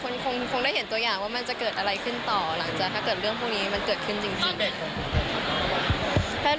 คงได้เห็นตัวอย่างว่ามันจะเกิดอะไรขึ้นต่อหลังจากถ้าเกิดเรื่องพวกนี้มันเกิดขึ้นจริง